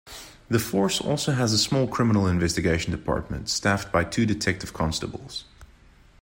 The force also has a small criminal investigation department staffed by two detective constables.